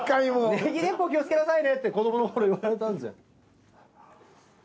ネギ鉄砲気をつけなさいねって子どもの頃言われたんですよ。